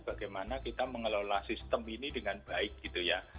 bagaimana kita mengelola sistem ini dengan baik gitu ya